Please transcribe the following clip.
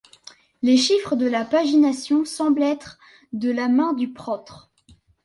Les chiffres de la pagination semblent être de la main du prote.